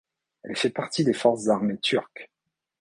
Elle fait partie des forces armées turques.